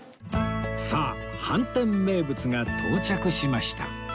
さあ飯店名物が到着しました